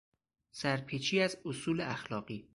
سر پیچی از اصول اخلاقی